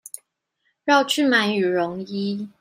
繞去買羽絨衣